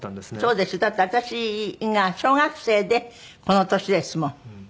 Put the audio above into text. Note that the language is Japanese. だって私が小学生でこの年ですもん。